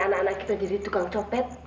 anak anak kita jadi tukang copet